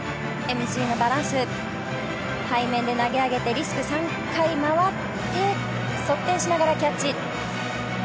ＭＧのバランス、背面で投げ上げてリスク３回まわって側転しながらキャッチ。